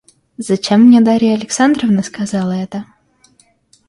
Зачем мне Дарья Александровна сказала это?